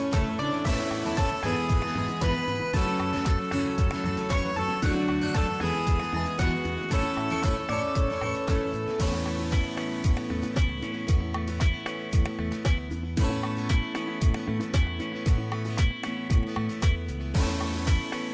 สวัสดีครับสวัสดีครับ